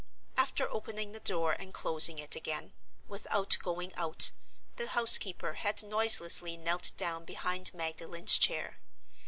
After opening the door and closing it again, without going out, the housekeeper had noiselessly knelt down behind Magdalen's chair.